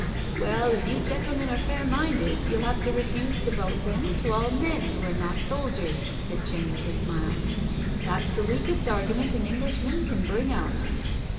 " Well, if you gentlemen are fair minded, you'll have to refuse the vote then to all men who are not soldiers," said Jenny, with a smile. "That's the weakest argu ment an Englishman can bring out."